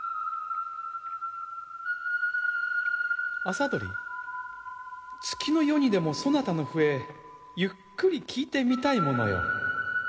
麻鳥月の夜にでもそなたの笛ゆっくり聴いてみたいものよ。